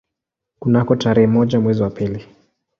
Kunako tarehe moja mwezi wa pili